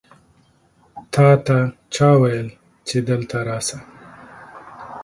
تا ته چا وویل چې دلته راسه؟